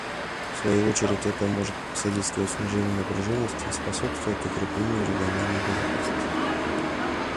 В свою очередь, это может содействовать снижению напряженности и способствовать укреплению региональной безопасности.